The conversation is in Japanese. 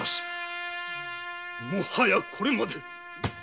もはやこれまで！